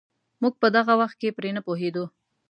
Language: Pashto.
موږ په دغه وخت کې پرې نه پوهېدو.